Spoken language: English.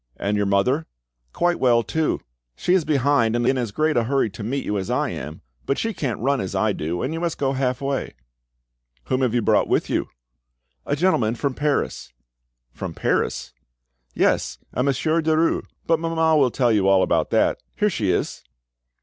"And your mother?" "Quite well too. She is behind, in as great a hurry to meet you as I am. But she can't run as I do, and you must go half way." "Whom have you brought with you?" "A gentleman from Paris." "From Paris?" "Yes, a Monsieur Derues. But mamma will tell you all about that. Here she is."